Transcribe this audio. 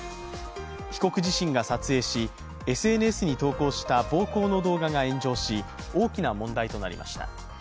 被告自身が撮影し、ＳＮＳに投稿した暴行の動画が炎上し、大きな問題となりました。